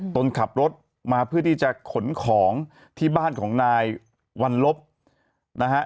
ตนขับรถมาเพื่อที่จะขนของที่บ้านของนายวันลบนะฮะ